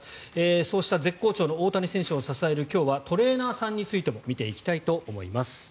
そうした絶好調の大谷選手を支える今日はトレーナーさんについても見ていきたいと思います。